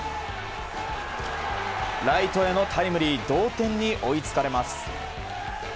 ライトへのタイムリー同点に追いつかれます。